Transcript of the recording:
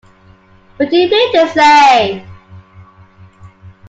What do you mean to say?